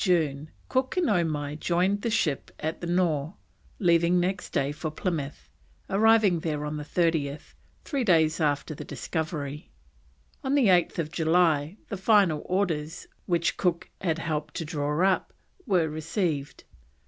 On 24th June Cook and Omai joined the ship at the Nore, leaving next day for Plymouth, arriving there on 30th, three days after the Discovery. On 8th July the final orders, which Cook had helped to draw up, were received.